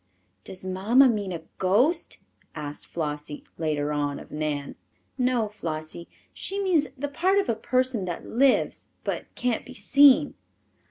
"Does mamma mean a ghost?" asked Flossie, later on, of Nan. "No, Flossie; she means the part of a person that lives but can't be seen."